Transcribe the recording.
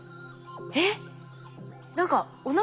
えっ？